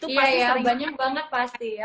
iya banyak banget pasti ya